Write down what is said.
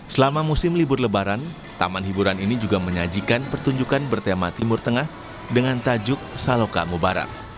selama musim libur lebaran taman hiburan ini juga menyajikan pertunjukan bertema timur tengah dengan tajuk saloka mubarak